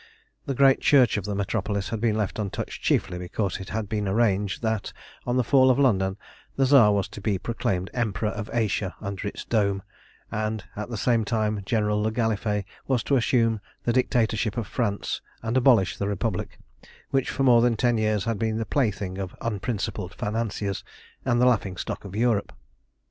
The great church of the metropolis had been left untouched chiefly because it had been arranged that, on the fall of London, the Tsar was to be proclaimed Emperor of Asia under its dome, and at the same time General le Gallifet was to assume the Dictatorship of France and abolish the Republic, which for more than ten years had been the plaything of unprincipled financiers, and the laughing stock of Europe.